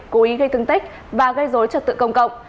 cố ý gây thương tích và gây dối trật tự công cộng